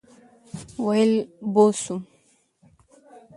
ویل بوه سوم.